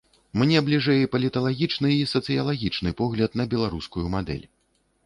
Мне бліжэй паліталагічны і сацыялагічны погляд на беларускую мадэль.